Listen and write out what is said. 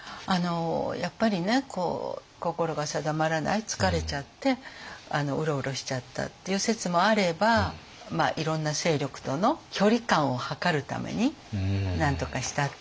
やっぱりね心が定まらない疲れちゃってうろうろしちゃったっていう説もあればいろんな勢力との距離感をはかるためになんとかしたって。